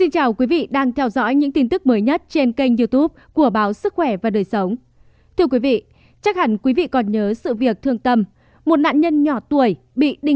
các bạn hãy đăng ký kênh để ủng hộ kênh của chúng mình nhé